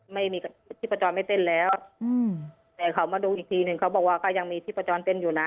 ไม่มีชีพจรไม่เต้นแล้วอืมแต่เขามาดูอีกทีหนึ่งเขาบอกว่าก็ยังมีชีพจรเต้นอยู่นะ